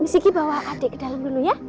sigi bawa adik ke dalam dulu ya